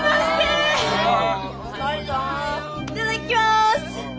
いっただっきます！